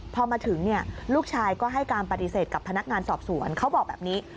พอมาถึงลูกชายก็ให้การปฏิเสธกับพนักงานสอบสวนเขาบอกแบบนี้